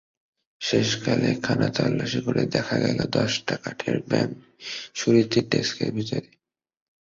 শেষকালে খানাতল্লাসি করে দেখা গেল, দশটা কাঠের ব্যাঙ সুরীতির ডেস্কের ভিতরে।